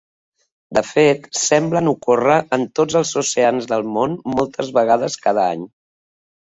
De fet, semblen ocórrer en tots els oceans del món moltes vegades cada any.